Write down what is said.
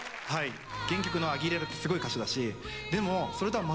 原曲のアギレラってすごい歌手だし。